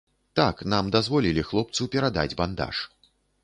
Так, нам дазволілі хлопцу перадаць бандаж.